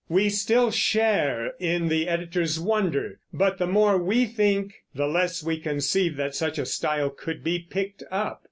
We still share in the editor's wonder; but the more we think, the less we conceive that such a style could be picked up.